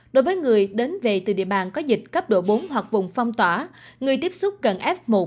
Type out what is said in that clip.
đối với người đến về từ địa bàn có dịch cấp độ bốn hoặc vùng phong tỏa người tiếp xúc cần f một